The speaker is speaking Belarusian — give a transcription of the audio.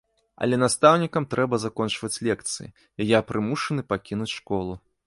Але настаўнікам трэба закончваць лекцыі, і я прымушаны пакінуць школу.